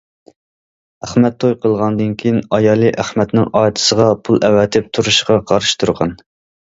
ئەخمەت توي قىلغاندىن كېيىن، ئايالى ئەخمەتنىڭ ئاچىسىغا پۇل ئەۋەتىپ تۇرۇشىغا قارشى تۇرغان.